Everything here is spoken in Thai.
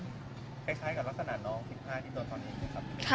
คล้ายกับลักษณะน้อง๒๕ที่ตนตอนนี้คือไหมครับ